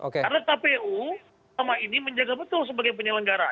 karena kpu sama ini menjaga betul sebagai penyelenggara